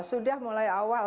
sudah mulai awal